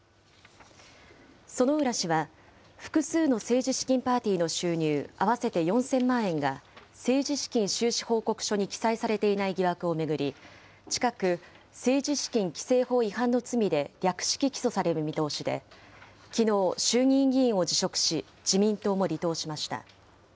薗浦氏は複数の政治資金パーティーの収入合わせて４０００万円が、政治資金収支報告書に記載されていない疑惑を巡り、近く、政治資金規正法違反の罪で略式起訴される見通しで、きのう、衆議院議員を辞職し、自民党も離党しました。